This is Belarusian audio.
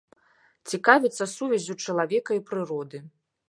Цікавіцца сувяззю чалавека і прыроды.